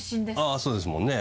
あっそうですもんね。